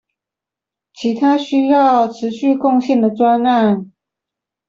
其他需要持續貢獻的專案